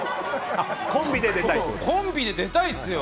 コンビで出たいですよ。